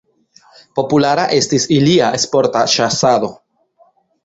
Populara estis ilia sporta ĉasado.